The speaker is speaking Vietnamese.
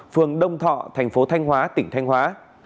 phường đông thọ thành phố thanh hóa tỉnh thanh hóa